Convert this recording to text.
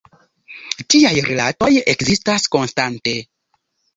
Tiaj rilatoj ekzistas konstante.